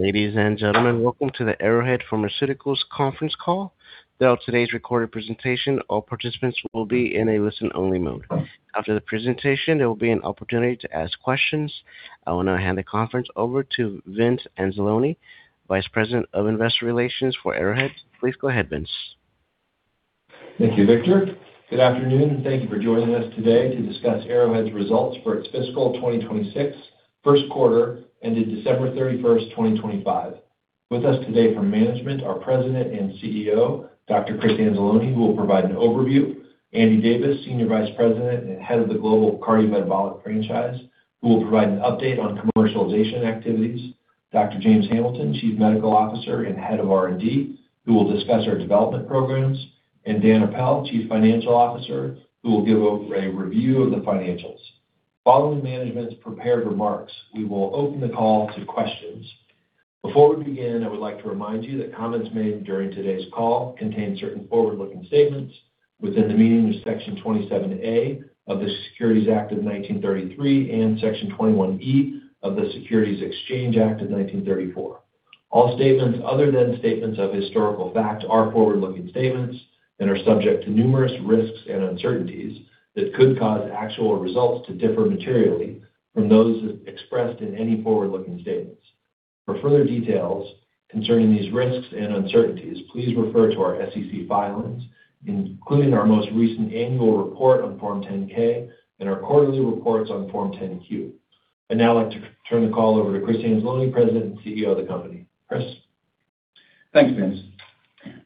Ladies and gentlemen, welcome to the Arrowhead Pharmaceuticals conference call. Throughout today's recorded presentation, all participants will be in a listen-only mode. After the presentation, there will be an opportunity to ask questions. I want to hand the conference over to Vince Anzalone, Vice President of Investor Relations for Arrowhead. Please go ahead, Vince. Thank you, Victor. Good afternoon, and thank you for joining us today to discuss Arrowhead's results for its fiscal 2026 first quarter, ended December 31, 2025. With us today from management, our President and CEO, Dr. Chris Anzalone, who will provide an overview. Andy Davis, Senior Vice President and Head of the Global Cardiometabolic Franchise, who will provide an update on commercialization activities. Dr. James Hamilton, Chief Medical Officer and Head of R&D, who will discuss our development programs, and Dan Apel, Chief Financial Officer, who will give over a review of the financials. Following management's prepared remarks, we will open the call to questions. Before we begin, I would like to remind you that comments made during today's call contain certain forward-looking statements within the meaning of Section 27A of the Securities Act of 1933 and Section 21E of the Securities Exchange Act of 1934. All statements other than statements of historical fact are forward-looking statements and are subject to numerous risks and uncertainties that could cause actual results to differ materially from those expressed in any forward-looking statements. For further details concerning these risks and uncertainties, please refer to our SEC filings, including our most recent annual report on Form 10-K and our quarterly reports on Form 10-Q. I'd now like to turn the call over to Chris Anzalone, President and CEO of the company. Chris? Thanks, Vince.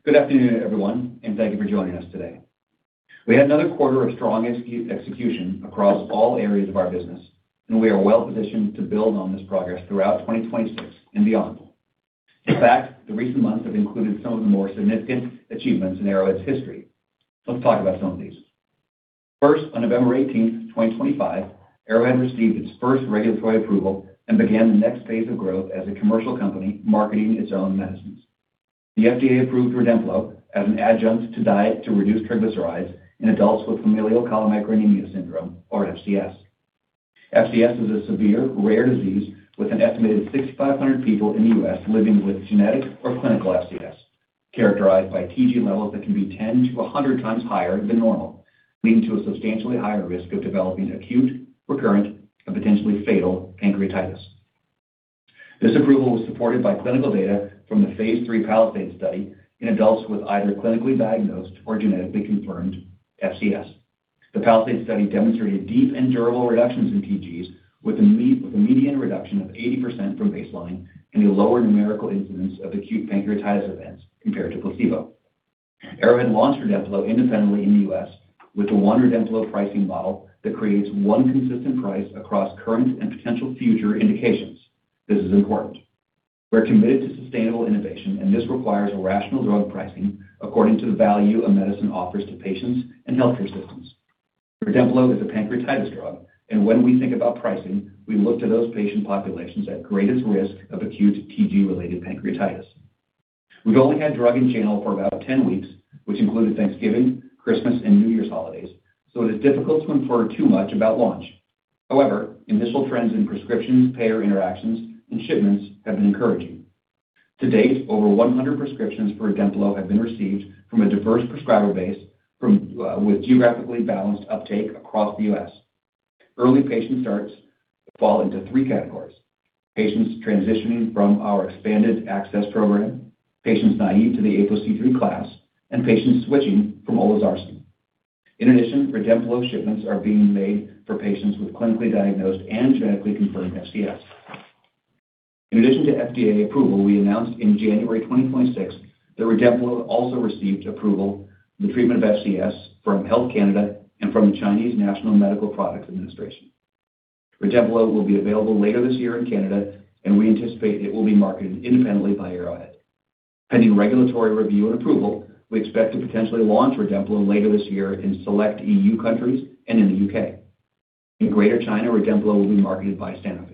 Good afternoon, everyone, and thank you for joining us today. We had another quarter of strong execution across all areas of our business, and we are well-positioned to build on this progress throughout 2026 and beyond. In fact, the recent months have included some of the more significant achievements in Arrowhead's history. Let's talk about some of these. First, on November 18, 2025, Arrowhead received its first regulatory approval and began the next phase of growth as a commercial company marketing its own medicines. The FDA approved REDEMPLO as an adjunct to diet to reduce triglycerides in adults with familial chylomicronemia syndrome, or FCS. FCS is a severe, rare disease with an estimated 6,500 people in the U.S. living with genetic or clinical FCS, characterized by TG levels that can be 10-100 times higher than normal, leading to a substantially higher risk of developing acute, recurrent, and potentially fatal pancreatitis. This approval was supported by clinical data from the phase III PALISADE study in adults with either clinically diagnosed or genetically confirmed FCS. The PALISADE study demonstrated deep and durable reductions in TGs with a median reduction of 80% from baseline and a lower numerical incidence of acute pancreatitis events compared to placebo. Arrowhead launched REDEMPLO independently in the U.S. with a one REDEMPLO pricing model that creates one consistent price across current and potential future indications. This is important. We're committed to sustainable innovation, and this requires rational drug pricing according to the value a medicine offers to patients and healthcare systems. REDEMPLO is a pancreatitis drug, and when we think about pricing, we look to those patient populations at greatest risk of acute TG-related pancreatitis. We've only had drug in channel for about 10 weeks, which included Thanksgiving, Christmas, and New Year's holidays, so it is difficult to infer too much about launch. However, initial trends in prescriptions, payer interactions, and shipments have been encouraging. To date, over 100 prescriptions for REDEMPLO have been received from a diverse prescriber base, with geographically balanced uptake across the U.S. Early patient starts fall into three categories: patients transitioning from our expanded access program, patients naive to the APOC3 class, and patients switching from olezarsen. In addition, REDEMPLO shipments are being made for patients with clinically diagnosed and genetically confirmed FCS. In addition to FDA approval, we announced in January 2026 that REDEMPLO also received approval for the treatment of FCS from Health Canada and from the Chinese National Medical Products Administration. REDEMPLO will be available later this year in Canada, and we anticipate it will be marketed independently by Arrowhead. Pending regulatory review and approval, we expect to potentially launch REDEMPLO later this year in select EU countries and in the U.K. In Greater China, REDEMPLO will be marketed by Sanofi.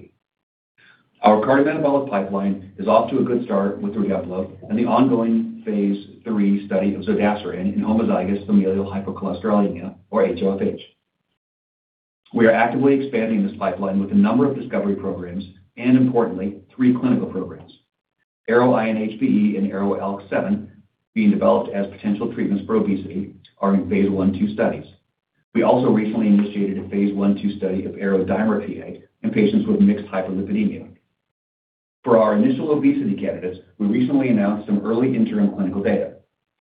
Our cardiometabolic pipeline is off to a good start with REDEMPLO and the ongoing phase III study of zodasiran in homozygous familial hypercholesterolemia, or HoFH. We are actively expanding this pipeline with a number of discovery programs and importantly, three clinical programs. ARO-INHBE and ARO-ALK7, being developed as potential treatments for obesity, are in phase I and II studies. We also recently initiated a phase I/II study of ARO-DimerPA in patients with mixed hyperlipidemia. For our initial obesity candidates, we recently announced some early interim clinical data.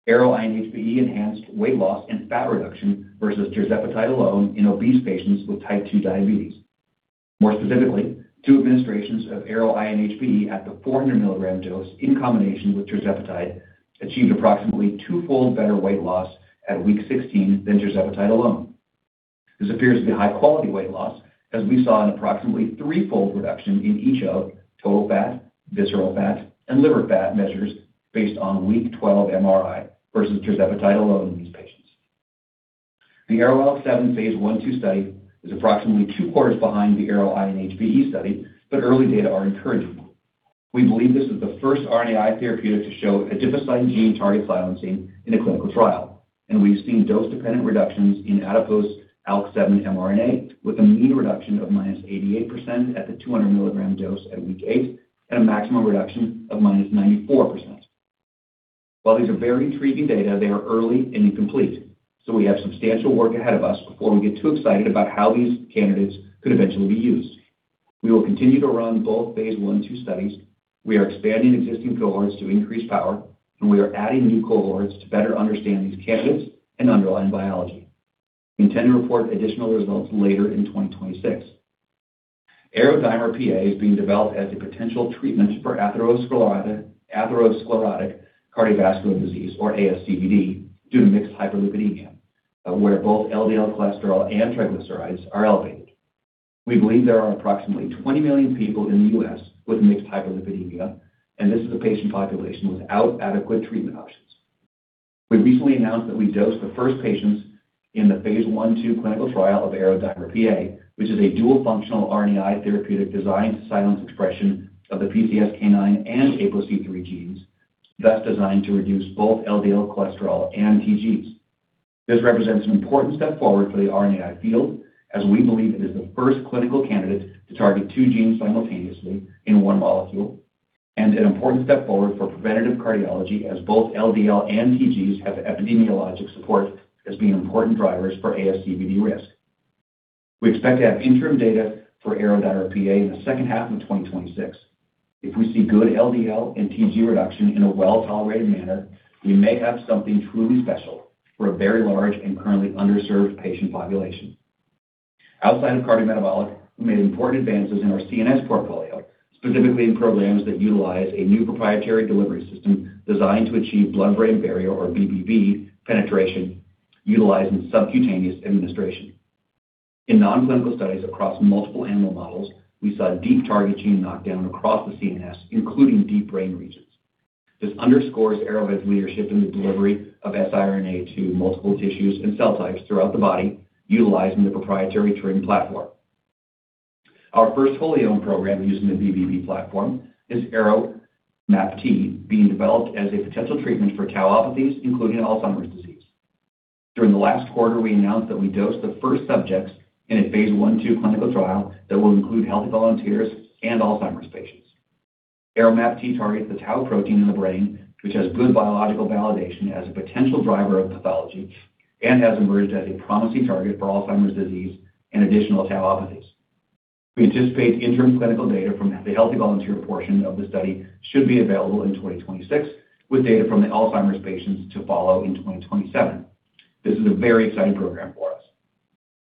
ARO-INHBE enhanced weight loss and fat reduction versus tirzepatide alone in obese patients with Type II diabetes. More specifically, two administrations of ARO-INHBE at the 400 mg dose in combination with tirzepatide achieved approximately twofold better weight loss at week 16 than tirzepatide alone. This appears to be high-quality weight loss, as we saw an approximately threefold reduction in each of total fat, visceral fat, and liver fat measures based on week 12 MRI versus tirzepatide alone in these patients. The ARO-ALK7 phase I/II study is approximately two quarters behind the ARO-INHBE study, but early data are encouraging. We believe this is the first RNAi therapeutic to show adipocyte gene target silencing in a clinical trial, and we've seen dose-dependent reductions in adipose ALK7 mRNA, with a mean reduction of -88% at the 200 mg dose at week eight, and a maximum reduction of -94%. While these are very intriguing data, they are early and incomplete, so we have substantial work ahead of us before we get too excited about how these candidates could eventually be used. We will continue to run both phase one and two studies. We are expanding existing cohorts to increase power, and we are adding new cohorts to better understand these candidates and underlying biology. We intend to report additional results later in 2026. ARO-DimerPA is being developed as a potential treatment for atherosclerotic cardiovascular disease, or ASCVD, due to mixed hyperlipidemia, where both LDL cholesterol and triglycerides are elevated. We believe there are approximately 20 million people in the U.S. with mixed hyperlipidemia, and this is a patient population without adequate treatment options. We recently announced that we dosed the first patients in the phase I/II clinical trial of ARO-DimerPA, which is a dual functional RNAi therapeutic designed to silence expression of the PCSK9 and APOC3 genes, thus designed to reduce both LDL cholesterol and TGs. This represents an important step forward for the RNAi field, as we believe it is the first clinical candidate to target two genes simultaneously in one molecule, and an important step forward for preventative cardiology, as both LDL and TGs have epidemiologic support as being important drivers for ASCVD risk. We expect to have interim data for ARO-DimerPA in the second half of 2026. If we see good LDL and TG reduction in a well-tolerated manner, we may have something truly special for a very large and currently underserved patient population. Outside of cardiometabolic, we made important advances in our CNS portfolio, specifically in programs that utilize a new proprietary delivery system designed to achieve blood-brain barrier, or BBB, penetration, utilizing subcutaneous administration. In non-clinical studies across multiple animal models, we saw deep target gene knockdown across the CNS, including deep brain regions. This underscores Arrowhead's leadership in the delivery of siRNA to multiple tissues and cell types throughout the body, utilizing the proprietary TRiM Platform. Our first wholly-owned program using the BBB platform is ARO-MAPT, being developed as a potential treatment for tauopathies, including Alzheimer's disease. During the last quarter, we announced that we dosed the first subjects in a phase I/II clinical trial that will include healthy volunteers and Alzheimer's patients. ARO-MAPT targets the tau protein in the brain, which has good biological validation as a potential driver of pathology and has emerged as a promising target for Alzheimer's Disease and additional tauopathies. We anticipate interim clinical data from the healthy volunteer portion of the study should be available in 2026, with data from the Alzheimer's patients to follow in 2027. This is a very exciting program for us.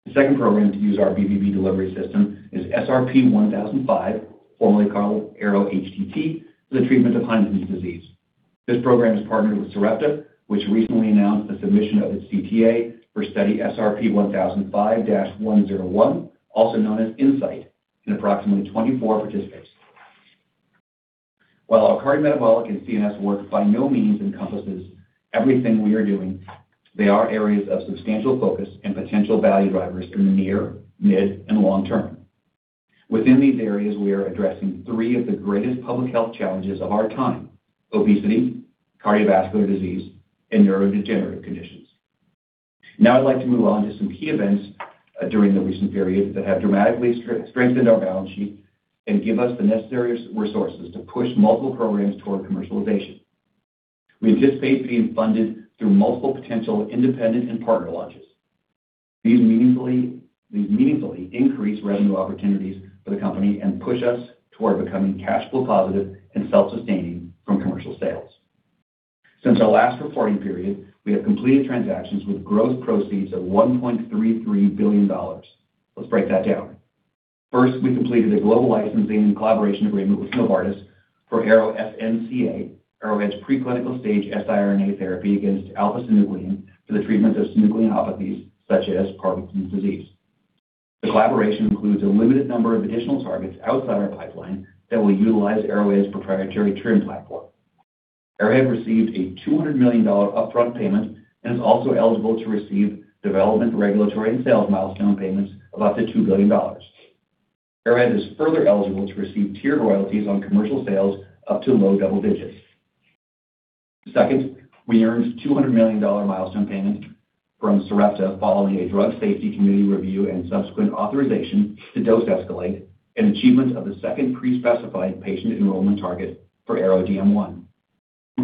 The second program to use our BBB delivery system is SRP-1005, formerly called ARO-HTT, for the treatment of Huntington's Disease. This program is partnered with Sarepta, which recently announced the submission of its CTA for study SRP-1005-101, also known as INSIGHT, in approximately 24 participants. While our cardiometabolic and CNS work by no means encompasses everything we are doing, they are areas of substantial focus and potential value drivers in the near, mid-, and long term. Within these areas, we are addressing three of the greatest public health challenges of our time: obesity, cardiovascular disease, and neurodegenerative conditions. Now I'd like to move on to some key events during the recent period that have dramatically strengthened our balance sheet and give us the necessary resources to push multiple programs toward commercialization. We anticipate being funded through multiple potential independent and partner launches. These meaningfully increase revenue opportunities for the company and push us toward becoming cash flow positive and self-sustaining from commercial sales. Since our last reporting period, we have completed transactions with gross proceeds of $1.33 billion. Let's break that down. First, we completed a global licensing and collaboration agreement with Novartis for ARO-SNCA, Arrowhead's preclinical-stage siRNA therapy against Alpha-synuclein for the treatment of synucleinopathies, such as Parkinson's Disease. The collaboration includes a limited number of additional targets outside our pipeline that will utilize Arrowhead's proprietary TRiM Platform. Arrowhead received a $200 million upfront payment and is also eligible to receive development, regulatory, and sales milestone payments of up to $2 billion. Arrowhead is further eligible to receive tiered royalties on commercial sales up to low double digits. Second, we earned $200 million milestone payment from Sarepta following a drug safety committee review and subsequent authorization to dose escalate and achievement of the second pre-specified patient enrollment target for ARO-DM1.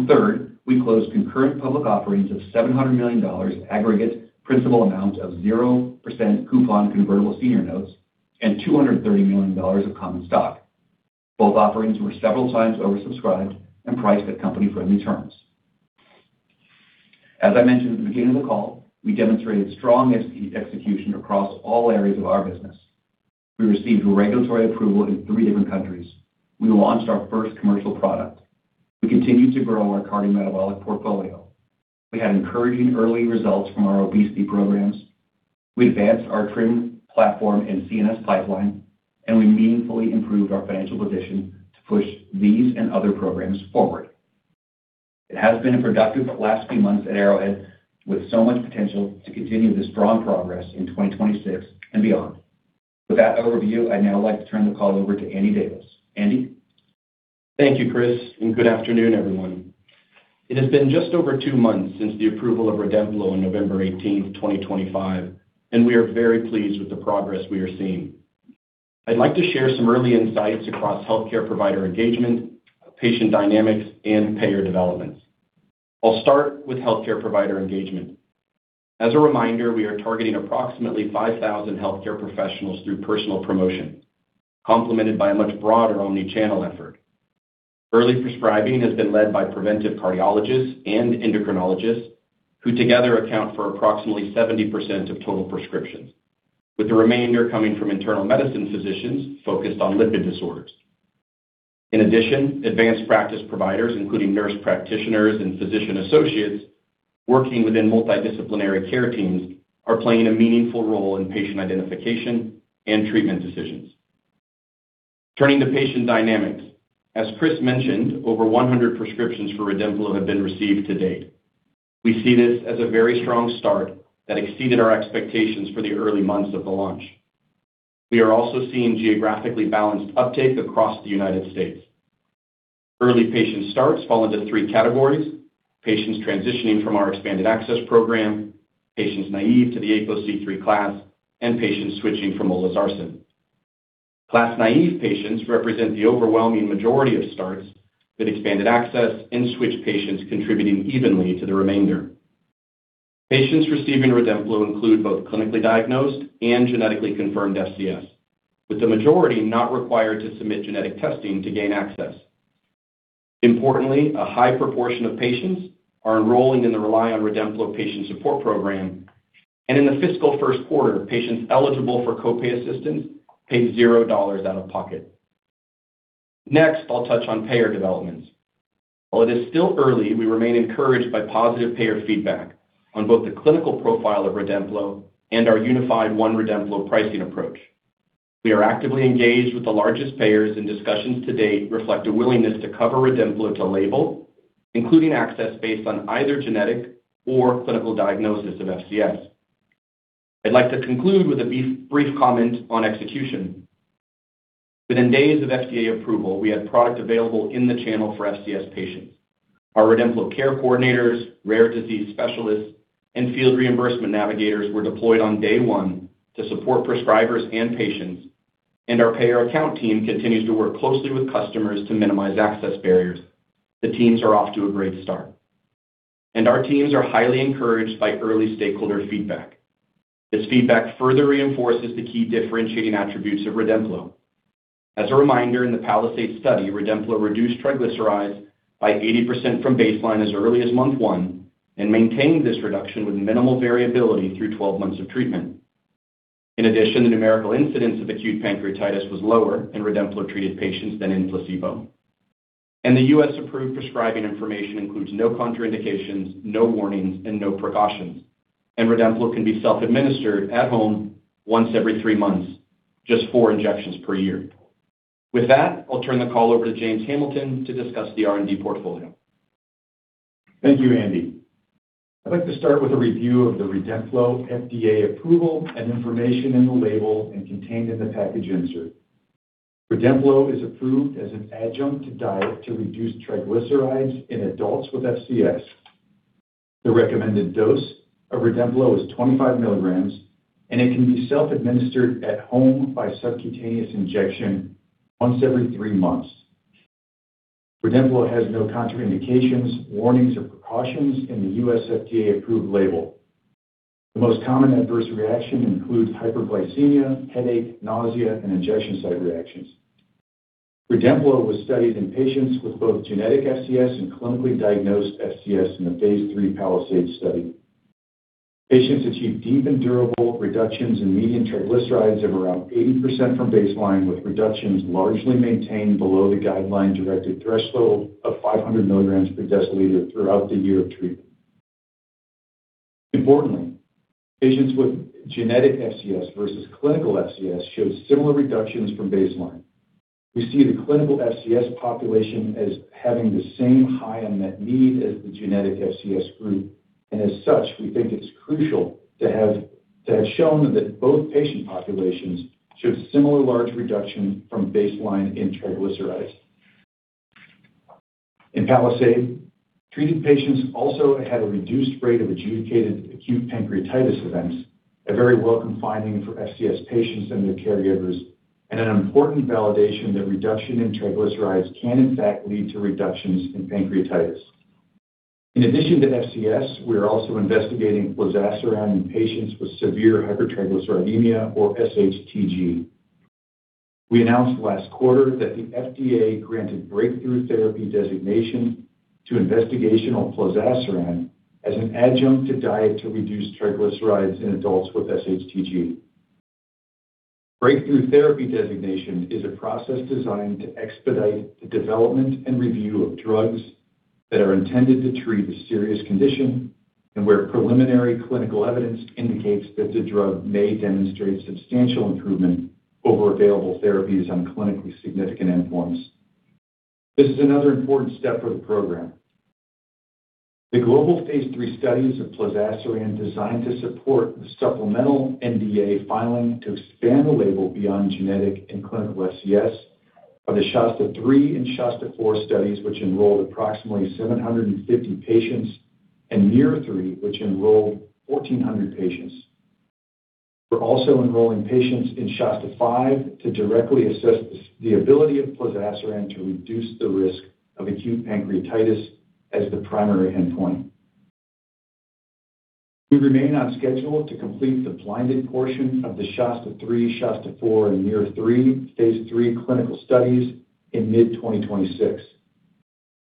Third, we closed concurrent public offerings of $700 million aggregate principal amount of 0% coupon convertible senior notes and $230 million of common stock. Both offerings were several times oversubscribed and priced at company-friendly terms. As I mentioned at the beginning of the call, we demonstrated strong execution across all areas of our business. We received regulatory approval in three different countries. We launched our first commercial product. We continued to grow our cardiometabolic portfolio. We had encouraging early results from our obesity programs. We advanced our TRiM platform and CNS pipeline, and we meaningfully improved our financial position to push these and other programs forward. It has been a productive last few months at Arrowhead, with so much potential to continue this strong progress in 2026 and beyond. With that overview, I'd now like to turn the call over to Andy Davis. Andy? Thank you, Chris, and good afternoon, everyone. It has been just over two months since the approval of REDEMPLO on November 18, 2025, and we are very pleased with the progress we are seeing. I'd like to share some early insights across healthcare provider engagement, patient dynamics, and payer developments. I'll start with healthcare provider engagement. As a reminder, we are targeting approximately 5,000 healthcare professionals through personal promotion, complemented by a much broader omni-channel effort. Early prescribing has been led by preventive cardiologists and endocrinologists, who together account for approximately 70% of total prescriptions, with the remainder coming from internal medicine physicians focused on lipid disorders. In addition, advanced practice providers, including nurse practitioners and physician associates, working within multidisciplinary care teams, are playing a meaningful role in patient identification and treatment decisions. Turning to patient dynamics, as Chris mentioned, over 100 prescriptions for REDEMPLO have been received to date. We see this as a very strong start that exceeded our expectations for the early months of the launch. We are also seeing geographically balanced uptake across the United States. Early patient starts fall into three categories: patients transitioning from our expanded access program, patients naive to the APOC3 class, and patients switching from olezarsen. Class-naive patients represent the overwhelming majority of starts, with expanded access and switch patients contributing evenly to the remainder. Patients receiving REDEMPLO include both clinically diagnosed and genetically confirmed FCS, with the majority not required to submit genetic testing to gain access. Importantly, a high proportion of patients are enrolling in the Rely on REDEMPLO patient support program, and in the fiscal first quarter, patients eligible for co-pay assistance paid $0 out of pocket. Next, I'll touch on payer developments. While it is still early, we remain encouraged by positive payer feedback on both the clinical profile of REDEMPLO and our unified one REDEMPLO pricing approach. We are actively engaged with the largest payers, and discussions to date reflect a willingness to cover REDEMPLO to label, including access based on either genetic or clinical diagnosis of FCS. I'd like to conclude with a brief comment on execution. Within days of FDA approval, we had product available in the channel for FCS patients. Our REDEMPLO care coordinators, rare disease specialists, and field reimbursement navigators were deployed on day one to support prescribers and patients, and our payer account team continues to work closely with customers to minimize access barriers. The teams are off to a great start, and our teams are highly encouraged by early stakeholder feedback. This feedback further reinforces the key differentiating attributes of REDEMPLO. As a reminder, in the PALISADE study, REDEMPLO reduced triglycerides by 80% from baseline as early as month one and maintained this reduction with minimal variability through 12 months of treatment. In addition, the numerical incidence of acute pancreatitis was lower in REDEMPLO-treated patients than in placebo. The U.S.-approved prescribing information includes no contraindications, no warnings, and no precautions. REDEMPLO can be self-administered at home once every three months, just four injections per year. With that, I'll turn the call over to James Hamilton to discuss the R&D portfolio. Thank you, Andy. I'd like to start with a review of the REDEMPLO FDA approval and information in the label and contained in the package insert. REDEMPLO is approved as an adjunct to diet to reduce triglycerides in adults with FCS. The recommended dose of REDEMPLO is 25 mg, and it can be self-administered at home by subcutaneous injection once every three months. REDEMPLO has no contraindications, warnings, or precautions in the U.S. FDA-approved label. The most common adverse reaction includes hyperglycemia, headache, nausea, and injection site reactions. REDEMPLO was studied in patients with both genetic FCS and clinically diagnosed FCS in the phase III PALISADE study. Patients achieved deep and durable reductions in median triglycerides of around 80% from baseline, with reductions largely maintained below the guideline-directed threshold of 500 mg/dL throughout the year of treatment. Importantly, patients with genetic FCS versus clinical FCS showed similar reductions from baseline. We see the clinical FCS population as having the same high unmet need as the genetic FCS group, and as such, we think it's crucial to have shown that both patient populations showed similar large reduction from baseline in triglycerides. In PALISADE, treated patients also had a reduced rate of adjudicated acute pancreatitis events, a very welcome finding for FCS patients and their caregivers, and an important validation that reduction in triglycerides can in fact lead to reductions in pancreatitis. In addition to FCS, we are also investigating plozasiran in patients with severe hypertriglyceridemia or SHTG. We announced last quarter that the FDA granted breakthrough therapy designation to investigational plozasiran as an adjunct to diet to reduce triglycerides in adults with SHTG. Breakthrough therapy designation is a process designed to expedite the development and review of drugs that are intended to treat a serious condition and where preliminary clinical evidence indicates that the drug may demonstrate substantial improvement over available therapies on clinically significant endpoints. This is another important step for the program. The global phase III studies of plozasiran designed to support the supplemental NDA filing to expand the label beyond genetic and clinical FCS are the SHASTA-3 and SHASTA-4 studies, which enrolled approximately 750 patients, and MUIR-3, which enrolled 1,400 patients. We're also enrolling patients in SHASTA-5 to directly assess the the ability of plozasiran to reduce the risk of acute pancreatitis as the primary endpoint. We remain on schedule to complete the blinded portion of the SHASTA-3, SHASTA-4, and MUIR-3 phase III clinical studies in mid-2026.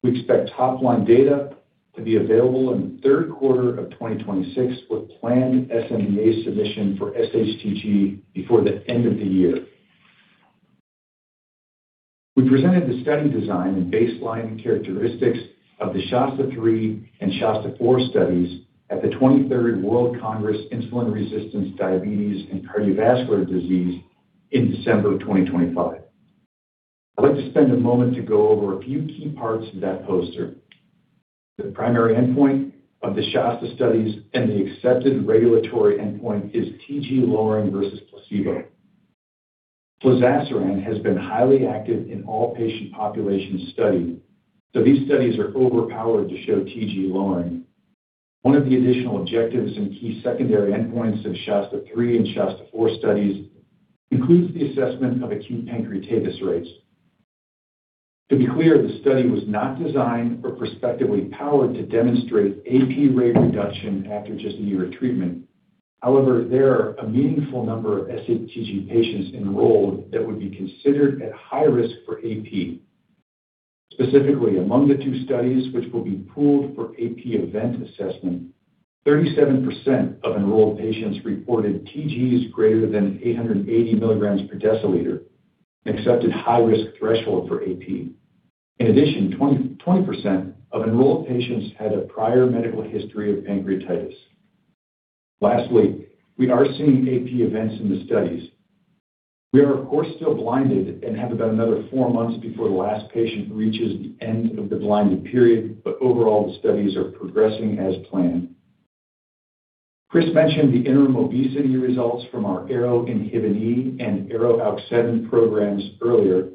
We expect top line data to be available in the third quarter of 2026, with planned sNDA submission for SHTG before the end of the year. We presented the study design and baseline characteristics of the SHASTA-3 and SHASTA-4 studies at the 23rd World Congress on Insulin Resistance, Diabetes, and Cardiovascular Disease in December of 2025. I'd like to spend a moment to go over a few key parts of that poster. The primary endpoint of the SHASTA studies and the accepted regulatory endpoint is TG lowering versus placebo. Plozasiran has been highly active in all patient populations studied, so these studies are overpowered to show TG lowering. One of the additional objectives and key secondary endpoints of SHASTA-3 and SHASTA-4 studies includes the assessment of acute pancreatitis rates. To be clear, the study was not designed or prospectively powered to demonstrate AP rate reduction after just a year of treatment. However, there are a meaningful number of SHTG patients enrolled that would be considered at high risk for AP. Specifically, among the two studies, which will be pooled for AP event assessment, 37% of enrolled patients reported TGs greater than 880 mg/dL, accepted high risk threshold for AP. In addition, 20% of enrolled patients had a prior medical history of pancreatitis. Lastly, we are seeing AP events in the studies. We are, of course, still blinded and have about another 4 months before the last patient reaches the end of the blinded period, but overall, the studies are progressing as planned. Chris mentioned the interim obesity results from our ARO-INHBE and ARO-ALK7 programs earlier,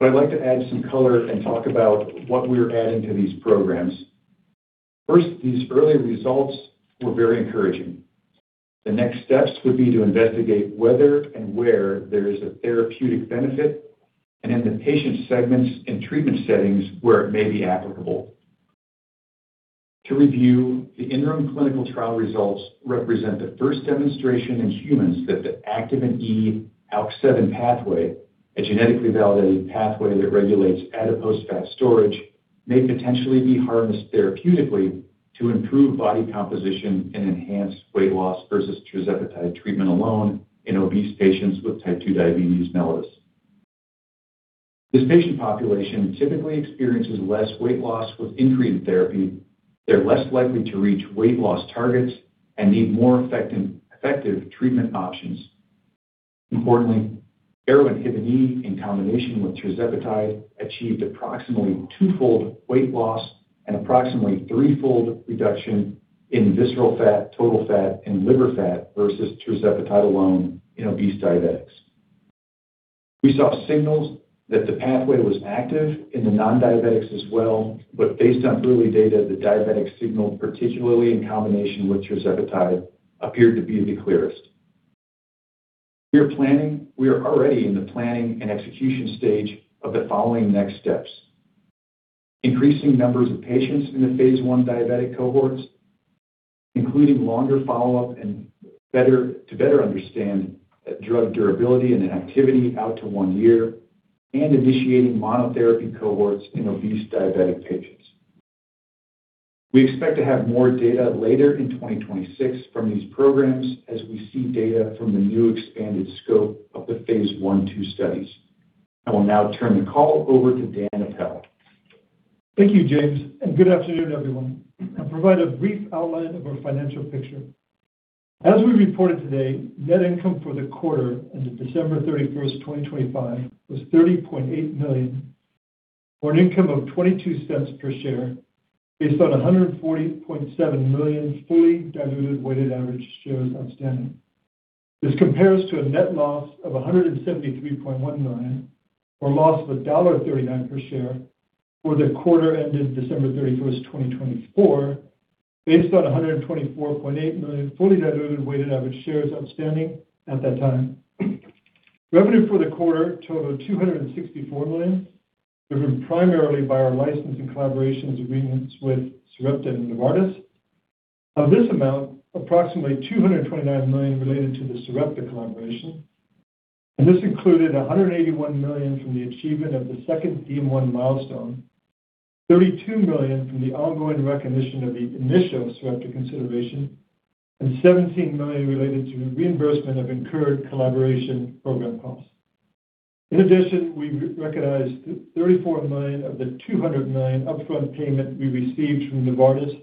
but I'd like to add some color and talk about what we are adding to these programs. First, these early results were very encouraging. The next steps would be to investigate whether and where there is a therapeutic benefit, and in the patient segments and treatment settings where it may be applicable. To review, the interim clinical trial results represent the first demonstration in humans that the Activin E ALK7 pathway, a genetically validated pathway that regulates adipose fat storage, may potentially be harnessed therapeutically to improve body composition and enhance weight loss versus tirzepatide treatment alone in obese patients with type 2 diabetes mellitus. This patient population typically experiences less weight loss with increased therapy. They're less likely to reach weight loss targets and need more effective, effective treatment options. Importantly, ARO-INHBE, in combination with tirzepatide, achieved approximately twofold weight loss and approximately threefold reduction in visceral fat, total fat, and liver fat versus tirzepatide alone in obese diabetics. We saw signals that the pathway was active in the non-diabetics as well, but based on early data, the diabetic signal, particularly in combination with tirzepatide, appeared to be the clearest. We are already in the planning and execution stage of the following next steps: increasing numbers of patients in the phase I diabetic cohorts, including longer follow-up to better understand drug durability and activity out to one year, and initiating monotherapy cohorts in obese diabetic patients. We expect to have more data later in 2026 from these programs as we see data from the new expanded scope of the phase I/II studies. I will now turn the call over to Dan Apel. Thank you, James, and good afternoon, everyone. I'll provide a brief outline of our financial picture. As we reported today, net income for the quarter ended December 31, 2025, was $30.8 million, for an income of $0.22 per share based on 140.7 million fully diluted weighted average shares outstanding. This compares to a net loss of $173.1 million, or loss of $1.39 per share for the quarter ended December 31, 2024, based on 124.8 million fully diluted weighted average shares outstanding at that time. Revenue for the quarter totaled $264 million, driven primarily by our licensing collaborations agreements with Sarepta and Novartis. Of this amount, approximately $229 million related to the Sarepta collaboration, and this included $181 million from the achievement of the second DM1 milestone, $32 million from the ongoing recognition of the initial Sarepta consideration, and $17 million related to reimbursement of incurred collaboration program costs. In addition, we re-recognized thirty-four million of the $200 million upfront payment we received from Novartis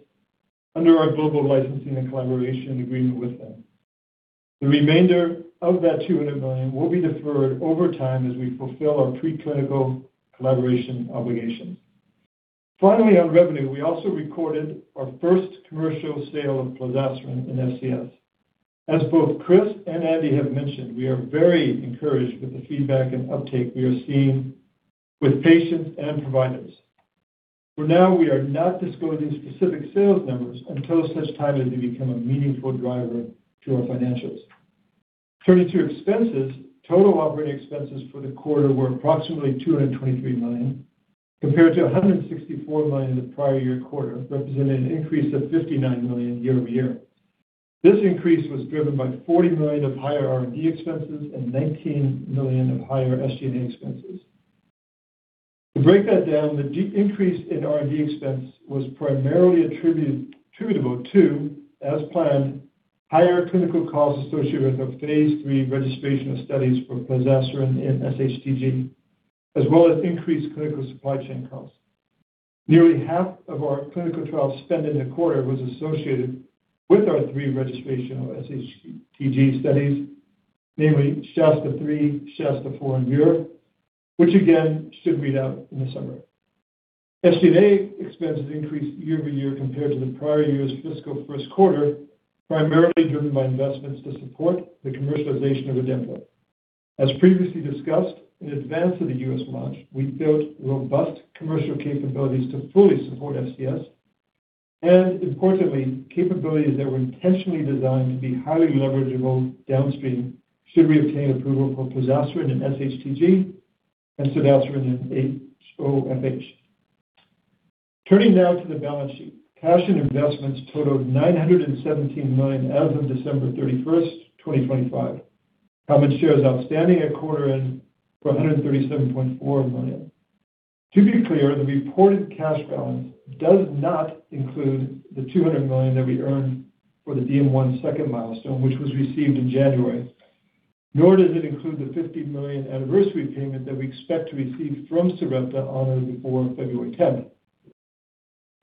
under our global licensing and collaboration agreement with them. The remainder of that $200 million will be deferred over time as we fulfill our preclinical collaboration obligations. Finally, on revenue, we also recorded our first commercial sale of plozasiran in FCS. As both Chris and Andy have mentioned, we are very encouraged with the feedback and uptake we are seeing with patients and providers. For now, we are not disclosing specific sales numbers until such time as they become a meaningful driver to our financials. Turning to expenses, total operating expenses for the quarter were approximately $223 million, compared to $164 million in the prior year quarter, representing an increase of $59 million year-over-year. This increase was driven by $40 million of higher R&D expenses and $19 million of higher SG&A expenses. To break that down, the increase in R&D expense was primarily attributable to, as planned, higher clinical costs associated with our phase III registrational studies for plozasiran in SHTG, as well as increased clinical supply chain costs. Nearly half of our clinical trial spend in the quarter was associated with our three registrational SHTG studies, namely SHASTA-3, SHASTA-4, and MUIR, which again should read out in the summer. SG&A expenses increased year-over-year compared to the prior year's fiscal first quarter, primarily driven by investments to support the commercialization of REDEMPLO. As previously discussed, in advance of the U.S. launch, we built robust commercial capabilities to fully support FCS, and importantly, capabilities that were intentionally designed to be highly leverageable downstream should we obtain approval for plozasiran in SHTG and zodasiran in HoFH. Turning now to the balance sheet. Cash and investments totaled $917 million as of December 31, 2025. Common shares outstanding at quarter end were 137.4 million. To be clear, the reported cash balance does not include the $200 million that we earned for the ARO-DM1 second milestone, which was received in January, nor does it include the $50 million anniversary payment that we expect to receive from Sarepta on or before February 10.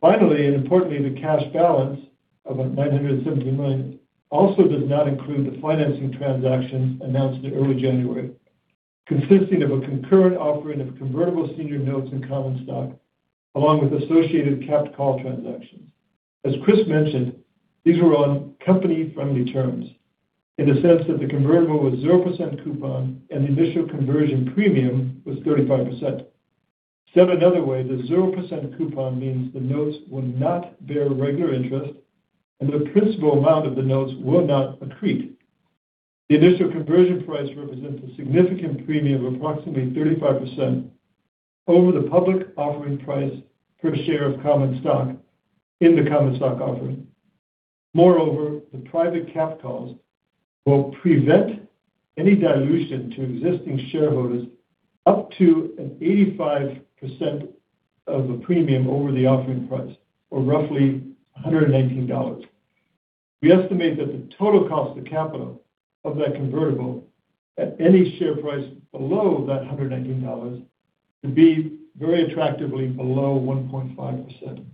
Finally, and importantly, the cash balance of about $917 million also does not include the financing transaction announced in early January, consisting of a concurrent offering of convertible senior notes and common stock, along with associated capped call transactions. As Chris mentioned, these were on company-friendly terms in the sense that the convertible was 0% coupon and the initial conversion premium was 35%. Said another way, the 0% coupon means the notes will not bear regular interest, and the principal amount of the notes will not accrete. The initial conversion price represents a significant premium of approximately 35% over the public offering price per share of common stock in the common stock offering. Moreover, the private capped calls will prevent any dilution to existing shareholders up to an 85% of the premium over the offering price, or roughly $119. We estimate that the total cost of capital of that convertible at any share price below that $119 to be very attractively below 1.5%.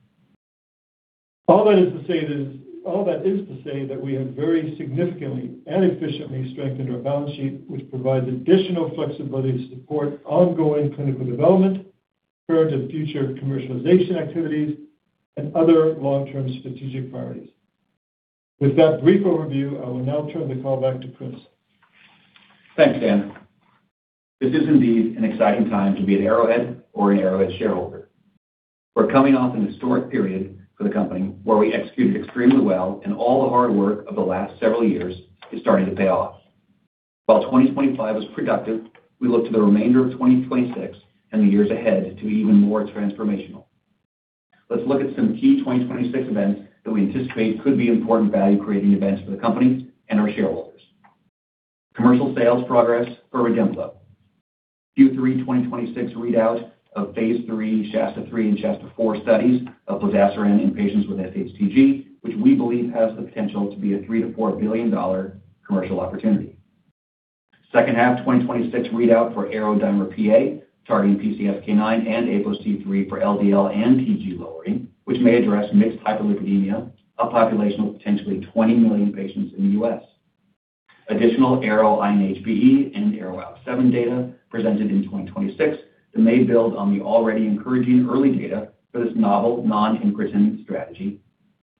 All that is to say that we have very significantly and efficiently strengthened our balance sheet, which provides additional flexibility to support ongoing clinical development, current and future commercialization activities, and other long-term strategic priorities. With that brief overview, I will now turn the call back to Chris. Thanks, Dan. This is indeed an exciting time to be an Arrowhead or an Arrowhead shareholder. We're coming off an historic period for the company, where we executed extremely well, and all the hard work of the last several years is starting to pay off. While 2025 was productive, we look to the remainder of 2026 and the years ahead to be even more transformational. Let's look at some key 2026 events that we anticipate could be important value-creating events for the company and our shareholders. Commercial sales progress for REDEMPLO. Q3 2026 readout of phase III, SHASTA-3 and SHASTA-4 studies of Plozasiran in patients with SHTG, which we believe has the potential to be a $3 billion-$4 billion commercial opportunity. Second half 2026 readout for ARO-DimerPA, targeting PCSK9 and APOC3 for LDL and TG lowering, which may address mixed hyperlipidemia, a population of potentially 20 million patients in the U.S. Additional ARO-INHBE and ARO-ALK7 data presented in 2026 that may build on the already encouraging early data for this novel non-incretin strategy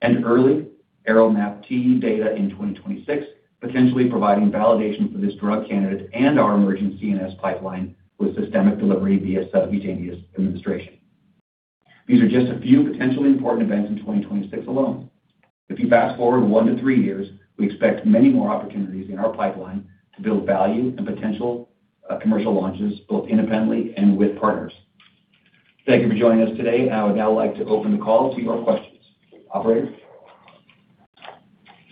and early ARO-MAPT data in 2026, potentially providing validation for this drug candidate and our emerging CNS pipeline with systemic delivery via subcutaneous administration. These are just a few potentially important events in 2026 alone. If you fast-forward one to three years, we expect many more opportunities in our pipeline to build value and potential, commercial launches, both independently and with partners. Thank you for joining us today, I would now like to open the call to your questions. Operator?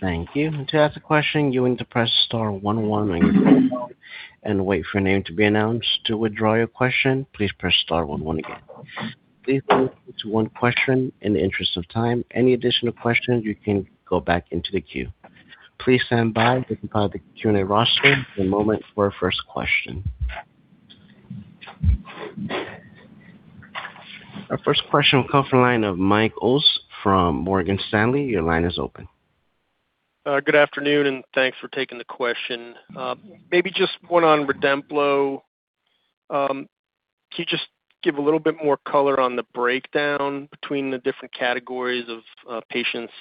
Thank you. To ask a question, you want to press star one one on your phone and wait for your name to be announced. To withdraw your question, please press star one one again. Please limit to one question in the interest of time. Any additional questions, you can go back into the queue. Please stand by the Q&A roster for a moment for our first question. Our first question will come from the line of Mike Ulz from Morgan Stanley. Your line is open. Good afternoon, and thanks for taking the question. Maybe just one on REDEMPLO. Can you just give a little bit more color on the breakdown between the different categories of patients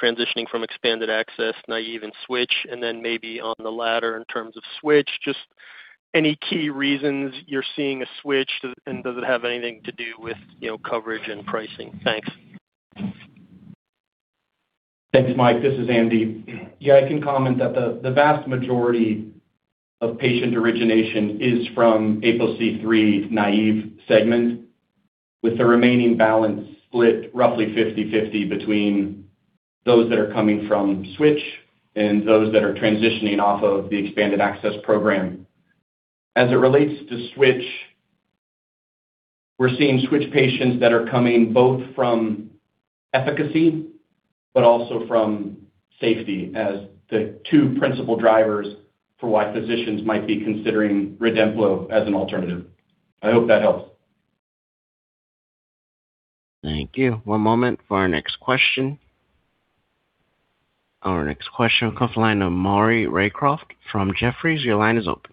transitioning from expanded access, naive, and switch? And then maybe on the latter, in terms of switch, just any key reasons you're seeing a switch, and does it have anything to do with, you know, coverage and pricing? Thanks. Thanks, Mike. This is Andy. Yeah, I can comment that the vast majority of patient origination is from APOC3 naive segment, with the remaining balance split roughly 50/50 between those that are coming from switch and those that are transitioning off of the expanded access program. As it relates to switch, we're seeing switch patients that are coming both from efficacy, but also from safety, as the two principal drivers for why physicians might be considering REDEMPLO as an alternative. I hope that helps. Thank you. One moment for our next question. Our next question will come from the line of Maury Raycroft from Jefferies. Your line is open.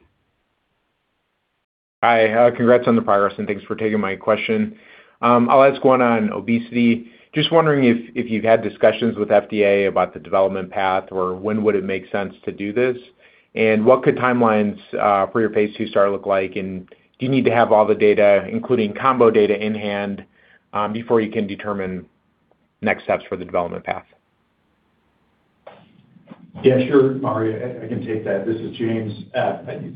Hi, congrats on the progress, and thanks for taking my question. I'll ask one on obesity. Just wondering if, if you've had discussions with FDA about the development path, or when would it make sense to do this? And what could timelines for your phase II start look like? And do you need to have all the data, including combo data, in hand before you can determine next steps for the development path? Yeah, sure, Maury. I, I can take that. This is James.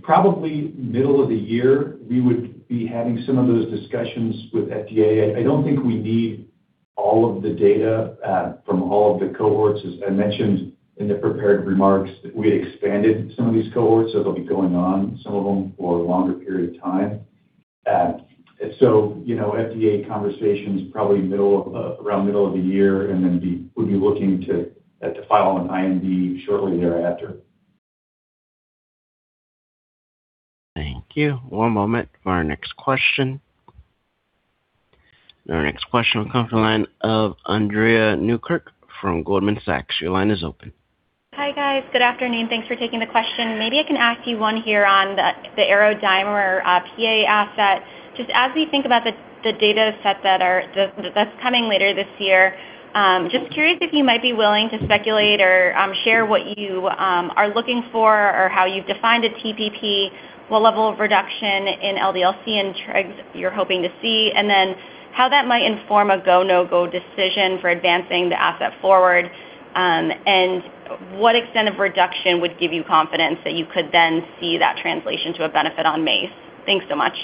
Probably middle of the year, we would be having some of those discussions with FDA. I, I don't think we need all of the data from all of the cohorts. As I mentioned in the prepared remarks, we had expanded some of these cohorts, so they'll be going on, some of them, for a longer period of time. And so, you know, FDA conversations probably middle of, around middle of the year, and then we'd be looking to file an IND shortly thereafter. Thank you. One moment for our next question. Our next question will come from the line of Andrea Newkirk from Goldman Sachs. Your line is open. Hi, guys. Good afternoon. Thanks for taking the question. Maybe I can ask you one here on the ARO-DimerPA asset. Just as we think about the data sets that's coming later this year, just curious if you might be willing to speculate or share what you are looking for, or how you've defined a TPP, what level of reduction in LDL-C and trigs you're hoping to see, and then how that might inform a go, no-go decision for advancing the asset forward, and what extent of reduction would give you confidence that you could then see that translation to a benefit on MACE? Thanks so much.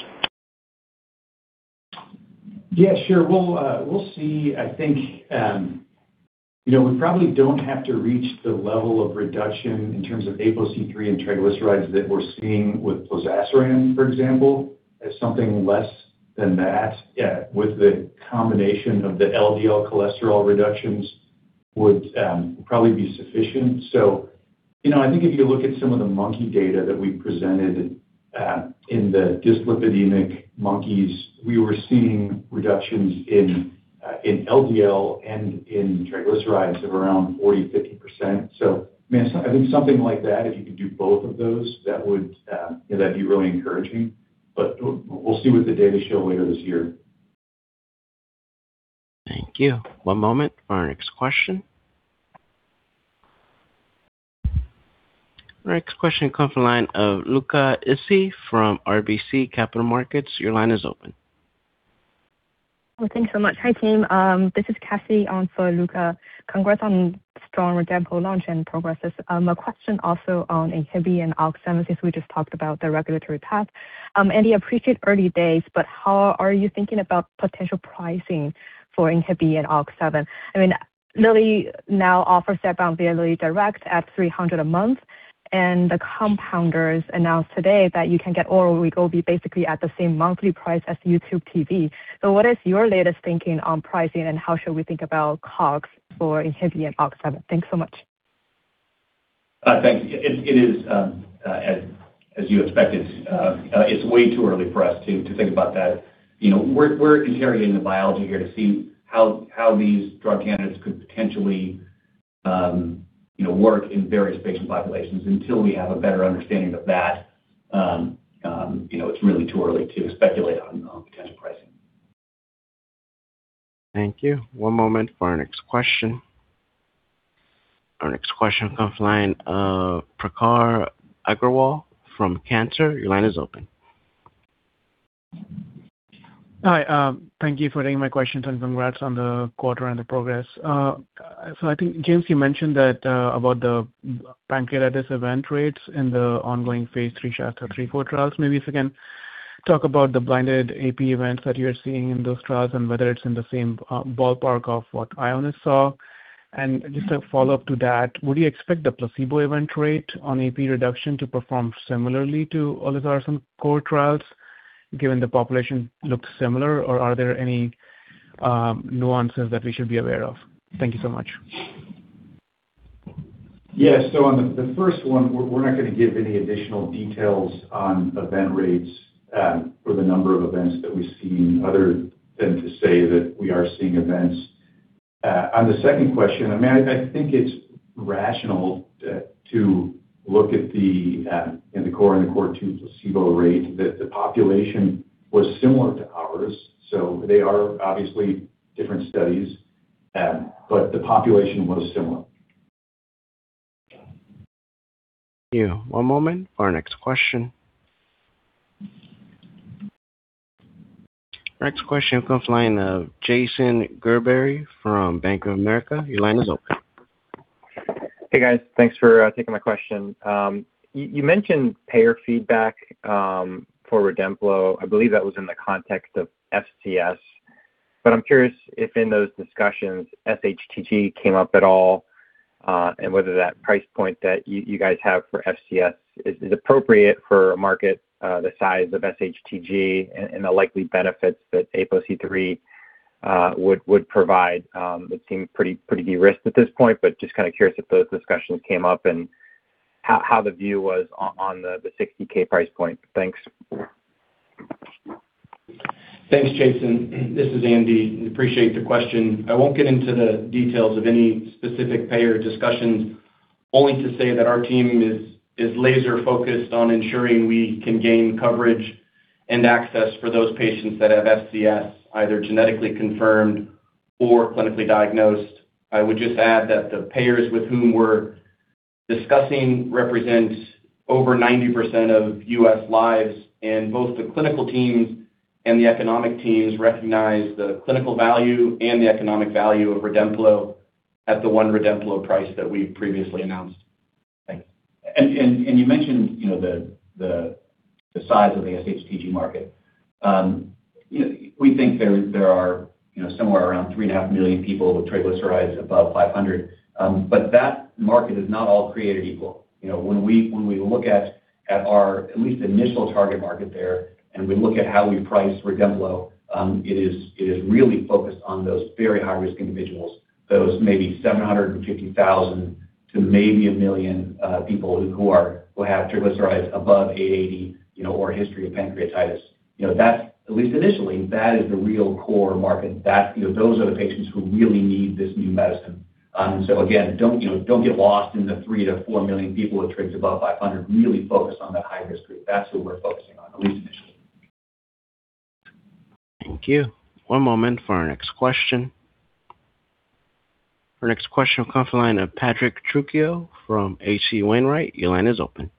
Yeah, sure. We'll, we'll see. I think, you know, we probably don't have to reach the level of reduction in terms of APOC3 and triglycerides that we're seeing with volanesorsen, for example, as something less than that, with the combination of the LDL cholesterol reductions would, probably be sufficient. So you know, I think if you look at some of the monkey data that we presented, in the dyslipidemic monkeys, we were seeing reductions in, in LDL and in triglycerides of around 40%-50%. So, I mean, so I think something like that, if you could do both of those, that would, you know, that'd be really encouraging. But we'll see what the data show later this year. Thank you. One moment for our next question. Our next question comes from the line of Luca Issi from RBC Capital Markets. Your line is open. Well, thanks so much. Hi, team. This is Cassie on for Luca. Congrats on strong REDEMPLO launch and progress. A question also on ARO-INHBE and ARO-ALK7, since we just talked about the regulatory path. And I appreciate early days, but how are you thinking about potential pricing for ARO-INHBE and ARO-ALK7? I mean, Lilly now offers their Zepbound via LillyDirect at $300 a month, and the compounders announced today that you can get oral Wegovy basically at the same monthly price as the Ozempic. So what is your latest thinking on pricing, and how should we think about costs for ARO-INHBE and ARO-ALK7? Thanks so much. Thanks. It is as you expected. It's way too early for us to think about that. You know, we're inheriting the biology here to see how these drug candidates could potentially, you know, work in various patient populations. Until we have a better understanding of that, you know, it's really too early to speculate on potential pricing. Thank you. One moment for our next question. Our next question comes from the line of Prakhar Agrawal from Cantor. Your line is open. Hi, thank you for taking my questions, and congrats on the quarter and the progress. So I think, James, you mentioned that, about the pancreatitis event rates in the ongoing phase III/4 trials. Maybe if you can talk about the blinded AP events that you're seeing in those trials and whether it's in the same, ballpark of what Ionis saw? And just a follow-up to that, would you expect the placebo event rate on AP reduction to perform similarly to olezarsen core trials, given the population looks similar, or are there any, nuances that we should be aware of? Thank you so much. Yes, so on the first one, we're not gonna give any additional details on event rates, or the number of events that we've seen, other than to say that we are seeing events. On the second question, I mean, I think it's rational to look at in the cohort two placebo rate, that the population was similar to ours. So they are obviously different studies, but the population was similar. Thank you. One moment for our next question. Our next question comes from the line of Jason Gerberry from Bank of America. Your line is open. Hey, guys. Thanks for taking my question. You mentioned payer feedback for REDEMPLO. I believe that was in the context of FCS. But I'm curious if in those discussions, SHTG came up at all, and whether that price point that you guys have for FCS is appropriate for a market the size of SHTG and the likely benefits that APOC3 would provide. It seems pretty de-risked at this point, but just kind of curious if those discussions came up and how the view was on the $60,000 price point. Thanks. Thanks, Jason. This is Andy. Appreciate the question. I won't get into the details of any specific payer discussions, only to say that our team is laser focused on ensuring we can gain coverage and access for those patients that have FCS, either genetically confirmed or clinically diagnosed. I would just add that the payers with whom we're discussing represent over 90% of U.S. lives, and both the clinical teams and the economic teams recognize the clinical value and the economic value of REDEMPLO at the one REDEMPLO price that we've previously announced. Thanks. You mentioned, you know, the size of the SHTG market. You know, we think there are, you know, somewhere around 3.5 million people with triglycerides above 500, but that market is not all created equal. You know, when we look at our at least initial target market there, and we look at how we price REDEMPLO, it is really focused on those very high-risk individuals, those maybe 750,000 to maybe 1 million people who have triglycerides above 880, you know, or a history of pancreatitis. You know, that's, at least initially, that is the real core market. That's, you know, those are the patients who really need this new medicine. So, again, don't, you know, don't get lost in the 3-4 million people with trigs above 500. Really focus on the high risk group. That's who we're focusing on, at least initially. Thank you. One moment for our next question. Our next question will come from the line of Patrick Trucchio from H.C. Wainwright. Your line is open.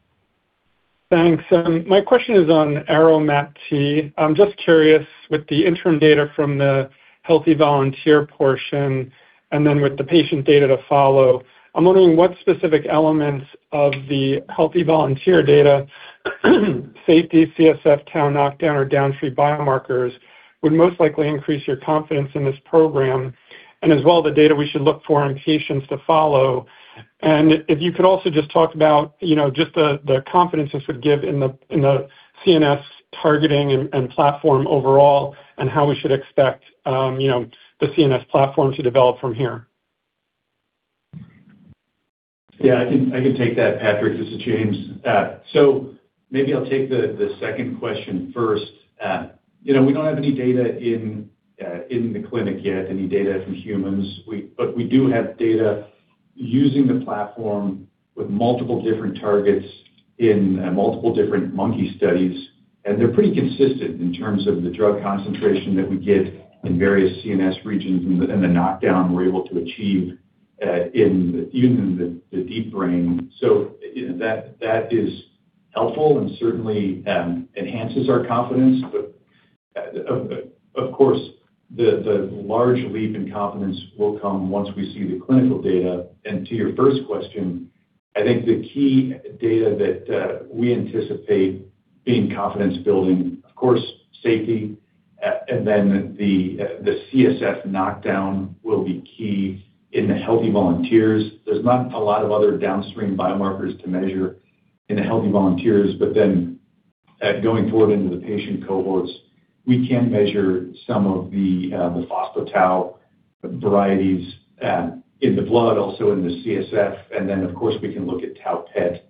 Thanks. My question is on ARO-MAPT. I'm just curious, with the interim data from the healthy volunteer portion, and then with the patient data to follow, I'm wondering what specific elements of the healthy volunteer data, safety, CSF, tau knockdown or downstream biomarkers, would most likely increase your confidence in this program, and as well, the data we should look for in patients to follow? And if you could also just talk about, you know, just the, the confidence this would give in the, in the CNS targeting and, and platform overall, and how we should expect, you know, the CNS platform to develop from here. Yeah, I can, I can take that, Patrick. This is James. So maybe I'll take the, the second question first. You know, we don't have any data in, in the clinic yet, any data from humans. But we do have data using the platform with multiple different targets in, multiple different monkey studies, and they're pretty consistent in terms of the drug concentration that we get in various CNS regions and the, and the knockdown we're able to achieve, in, even in the, the deep brain. So that, that is helpful and certainly, enhances our confidence. But, of, of course, the, the large leap in confidence will come once we see the clinical data. To your first question, I think the key data that we anticipate being confidence building, of course, safety, and then the CSF knockdown will be key in the healthy volunteers. There's not a lot of other downstream biomarkers to measure in the healthy volunteers, but then going forward into the patient cohorts, we can measure some of the phospho-tau varieties in the blood, also in the CSF, and then, of course, we can look at tau PET.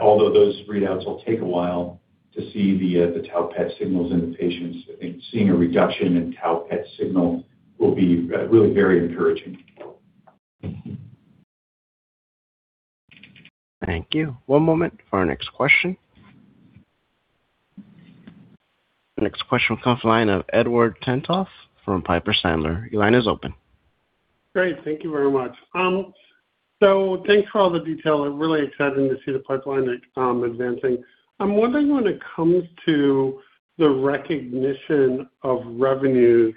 Although those readouts will take a while to see the tau PET signals in the patients, I think seeing a reduction in tau PET signal will be really very encouraging. Thank you. One moment for our next question. The next question will come from the line of Edward Tenthoff from Piper Sandler. Your line is open. Great. Thank you very much. So thanks for all the detail. I'm really excited to see the pipeline advancing. I'm wondering when it comes to the recognition of revenues,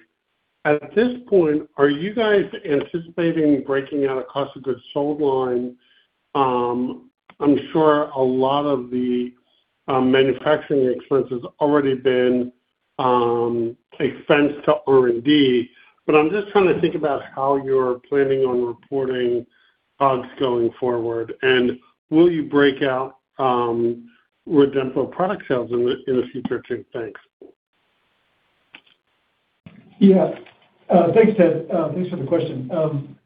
at this point, are you guys anticipating breaking out a cost of goods sold line? I'm sure a lot of the manufacturing expenses have already been expensed to R&D, but I'm just trying to think about how you're planning on reporting COGS going forward. And will you break out REDEMPLO product sales in the future too? Thanks. .Yeah. Thanks, Ted. Thanks for the question.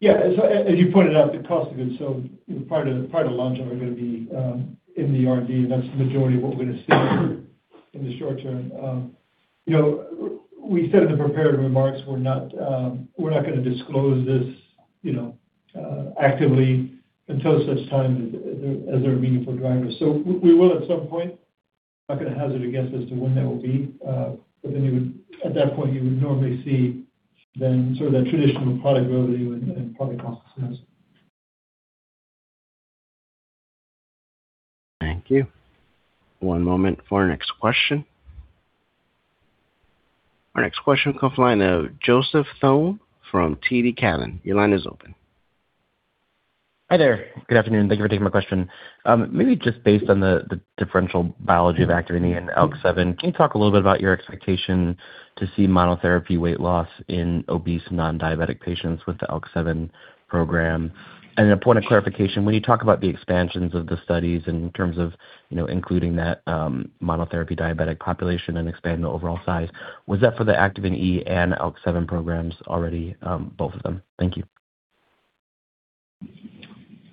Yeah, so as you pointed out, the cost of goods sold, you know, part of, part of the launch are gonna be in the R&D, and that's the majority of what we're gonna see in the short term. You know, we said in the prepared remarks, we're not, we're not gonna disclose this, you know, actively until such time as there are meaningful drivers. So we will at some point, not gonna hazard a guess as to when that will be. But then you would at that point, you would normally see then sort of that traditional product growth and product cost sense. Thank you. One moment for our next question. Our next question comes from the line of Joseph Thome from TD Cowen. Your line is open. Hi there. Good afternoon, thank you for taking my question. Maybe just based on the differential biology of activin E and ALK7, can you talk a little bit about your expectation to see monotherapy weight loss in obese, non-diabetic patients with the ALK7 program? And then a point of clarification, when you talk about the expansions of the studies in terms of, you know, including that, monotherapy diabetic population and expanding the overall size, was that for the activin E and ALK7 programs already, both of them? Thank you.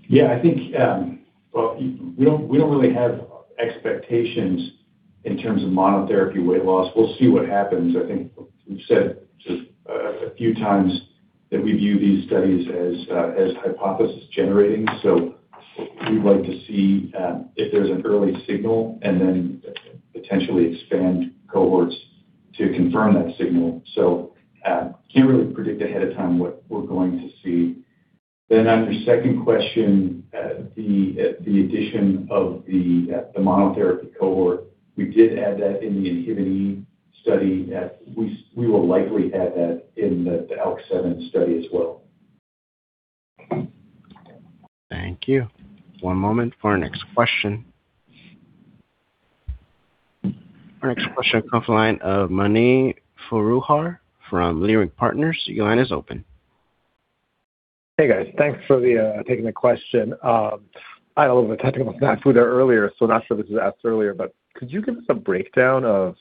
Yeah, I think, well, we don't really have expectations in terms of monotherapy weight loss. We'll see what happens. I think we've said just a few times that we view these studies as hypothesis generating. So we'd like to see if there's an early signal and then potentially expand cohorts to confirm that signal. So can't really predict ahead of time what we're going to see. Then on your second question, the addition of the monotherapy cohort, we did add that in the Activin E study, that we will likely add that in the ALK7 study as well. Thank you. One moment for our next question. Our next question comes from the line of Mani Foroohar from Leerink Partners. Your line is open. Hey, guys. Thanks for taking the question. I had a little bit of technical issue there earlier, so not sure if this was asked earlier, but could you give us a breakdown of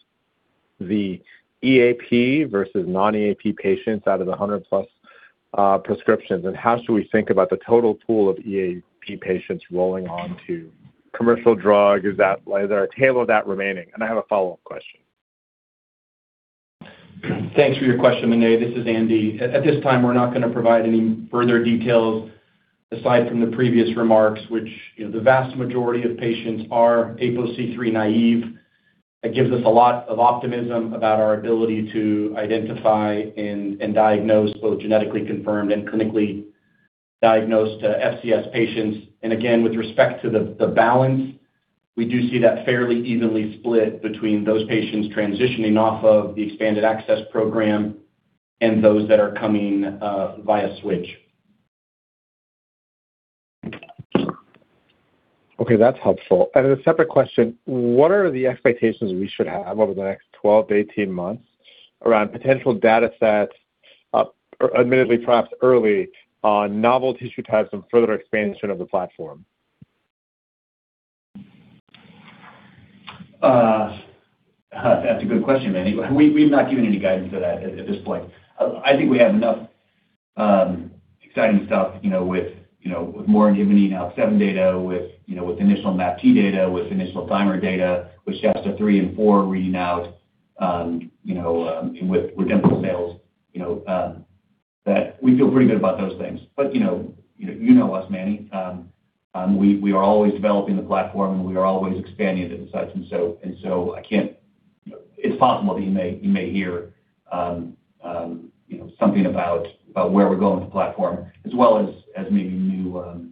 the EAP versus non-EAP patients out of the 100+ prescriptions? And how should we think about the total pool of EAP patients rolling on to commercial drug? Is that, is there a tail of that remaining? And I have a follow-up question. Thanks for your question, Mani. This is Andy. At this time, we're not gonna provide any further details aside from the previous remarks, which, you know, the vast majority of patients are APOC3 naive. That gives us a lot of optimism about our ability to identify and diagnose both genetically confirmed and clinically diagnosed FCS patients. And again, with respect to the balance, we do see that fairly evenly split between those patients transitioning off of the expanded access program and those that are coming via switch. Okay, that's helpful. And as a separate question, what are the expectations we should have over the next 12-18 months around potential datasets, or admittedly, perhaps early on novel tissue types and further expansion of the platform? That's a good question, Mani. We've not given any guidance on that at this point. I think we have enough exciting stuff, you know, with more INHBE ALK7 data, you know, with initial MAPT data, with initial dimer data, with cohorts three and four reading out, you know, and with sample sizes, you know, that we feel pretty good about those things. But, you know, you know us, Mani, we are always developing the platform, and we are always expanding the insights, and so I can't. It's possible that you may, you may hear, you know, something about where we're going with the platform, as well as maybe new,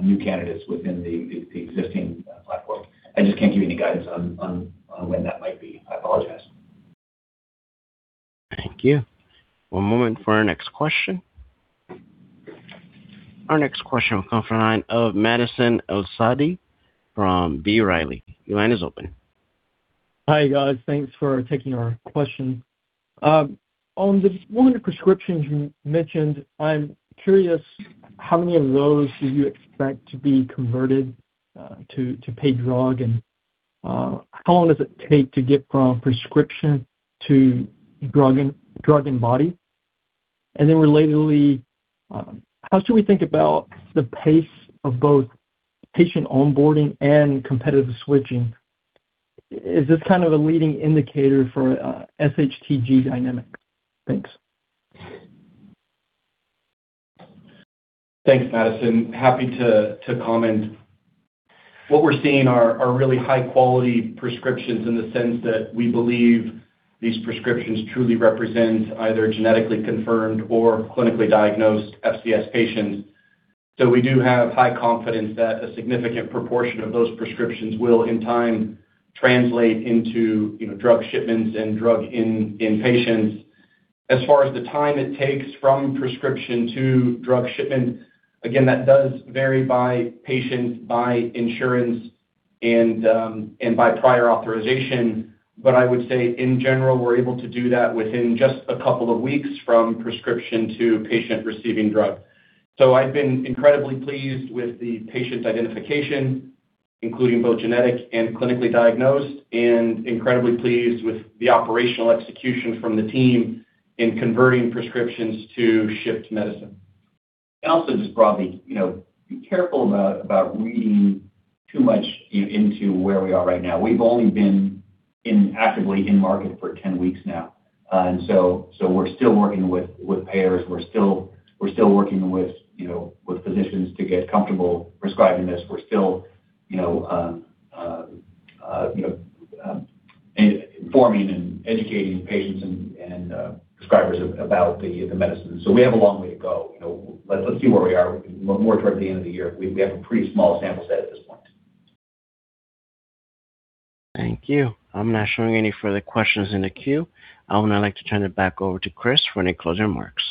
new candidates within the existing platform. I just can't give you any guidance on when that might be. I apologize. Thank you. One moment for our next question. Our next question will come from the line of Madison El-Saadi from B. Riley. Your line is open. Hi, guys. Thanks for taking our question. On the more prescriptions you mentioned, I'm curious, how many of those do you expect to be converted to paid drug? And how long does it take to get from prescription to drug in body? And then relatedly, how should we think about the pace of both patient onboarding and competitive switching? Is this kind of a leading indicator for SHTG dynamic? Thanks. Thanks, Madison. Happy to comment. What we're seeing are really high-quality prescriptions in the sense that we believe these prescriptions truly represent either genetically confirmed or clinically diagnosed FCS patients. So we do have high confidence that a significant proportion of those prescriptions will, in time, translate into, you know, drug shipments and drug in patients. As far as the time it takes from prescription to drug shipment, again, that does vary by patient, by insurance, and by prior authorization. But I would say in general, we're able to do that within just a couple of weeks from prescription to patient receiving drug. So I've been incredibly pleased with the patient identification, including both genetic and clinically diagnosed, and incredibly pleased with the operational execution from the team in converting prescriptions to shipped medicine. And also just broadly, you know, be careful about reading too much into where we are right now. We've only been actively in market for 10 weeks now. So we're still working with payers. We're still working with, you know, with physicians to get comfortable prescribing this. We're still, you know, informing and educating patients and prescribers about the medicine. So we have a long way to go. You know, let's see where we are more towards the end of the year. We have a pretty small sample set at this point. Thank you. I'm not showing any further questions in the queue. I would now like to turn it back over to Chris for any closing remarks.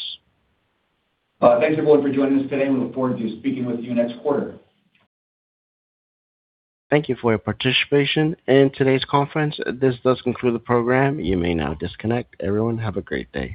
Thanks, everyone, for joining us today. We look forward to speaking with you next quarter. Thank you for your participation in today's conference. This does conclude the program. You may now disconnect. Everyone, have a great day.